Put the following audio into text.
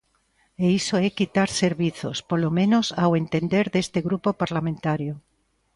E iso é quitar servizos, polo menos ao entender deste grupo parlamentario.